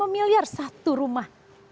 delapan lima miliar satu rumah